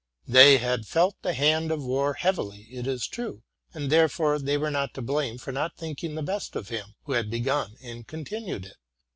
They had felt the hand of war heavily, it is true; and therefore they were not to blame for not thinking the best of him who had begun and continued it.